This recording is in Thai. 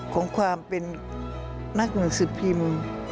ของความเป็นนักหนังสือพิมพ์